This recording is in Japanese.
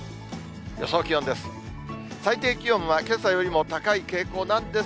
予想気温です。